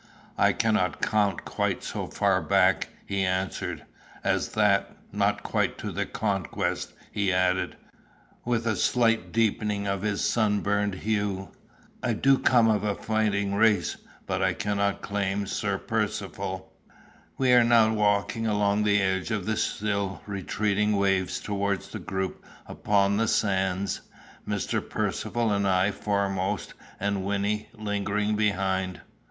"I cannot count quite so far back," he answered, "as that not quite to the Conquest," he added, with a slight deepening of his sunburnt hue. "I do come of a fighting race, but I cannot claim Sir Percivale." We were now walking along the edge of the still retreating waves towards the group upon the sands, Mr. Percivale and I foremost, and Wynnie lingering behind.